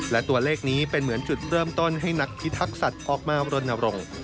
และตัวเลขนี้เป็นเหมือนจุดเริ่มต้นให้นักพิทักษัตริย์ออกมารณรงค์